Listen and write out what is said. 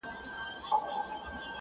زړه ته د ښايست لمبه پوره راغلې نه ده~